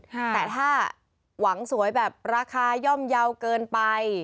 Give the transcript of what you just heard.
แต่ถ้าหวังสวยแบบราคาย่อมเยาว์เกินไป